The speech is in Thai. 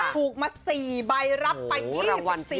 ถูกมา๔ใบรับไปที่๑๔ล้านบาท